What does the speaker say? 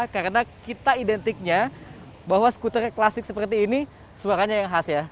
karena kita identiknya bahwa skuter klasik seperti ini suaranya yang khas ya